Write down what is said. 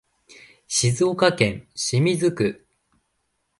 静岡市清水区